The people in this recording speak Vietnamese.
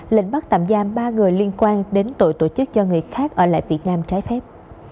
lệnh bắt tạm giam ba người liên quan đến tội tổ chức cho người khác ở lại việt nam trái phép